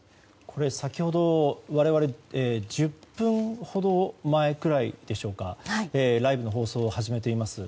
先ほど、我々１０分ほど前くらいでしょうかライブの放送を始めています。